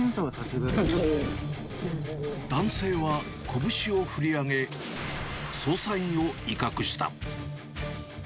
男性は拳を振り上げ、捜査員を威嚇した。